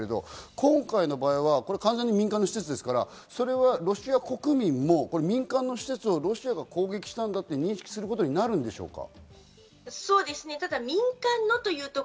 今回の場合は完全民間の施設ですから、ロシア国民も民間の施設をロシアが攻撃したという認識をすることになるんでしょうか？